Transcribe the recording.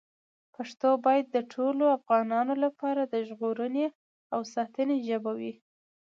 پښتو باید د ټولو افغانانو لپاره د ژغورنې او ساتنې ژبه وي.